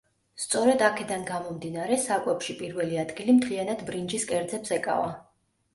სწორედ აქედან გამომდინარე, საკვებში პირველი ადგილი მთლიანად ბრინჯის კერძებს ეკავა.